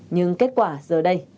nhưng kết quả giờ đây